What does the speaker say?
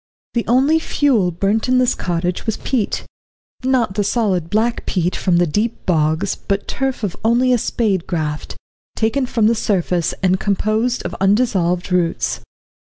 The only fuel burnt in this cottage was peat not the solid black peat from deep bogs, but turf of only a spade graft, taken from the surface, and composed of undissolved roots.